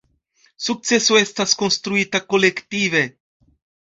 Sukceso estas konstruita kolektive.